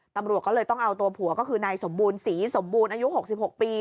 ตำรวจก็เลยต้องเอาตัวผัวก็คือนายสมบูรณ์ศรีสมบูรณ์อายุ๖๖ปี